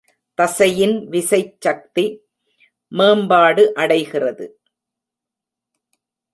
தசையின் விசைச் சக்தி மேம்பாடு அடைகிறது.